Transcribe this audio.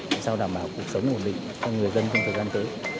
làm sao đảm bảo cuộc sống ổn định cho người dân trong thời gian tới